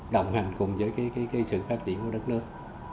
đồng hành cùng với sự phát triển của đất nước